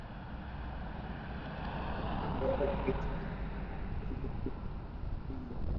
En la contraportada aparece el Gato López con este mismo símbolo.